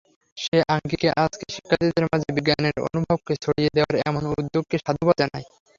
সে আঙ্গিকে আজকে শিক্ষার্থীদের মাঝে বিজ্ঞানের অনুভবকে ছড়িয়ে দেওয়ার এমন উদ্যোগকে সাধুবাদ জানাই।